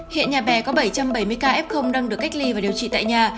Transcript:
hiện nhà bé có bảy trăm bảy mươi ca f đang được cách ly và điều trị tại nhà